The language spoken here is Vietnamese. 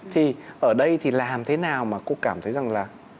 thì ở đây thì làm thế nào mà cô cảm thấy rằng là